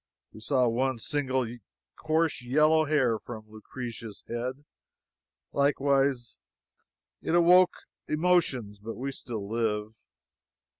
We saw one single coarse yellow hair from Lucrezia's head, likewise. It awoke emotions, but we still live.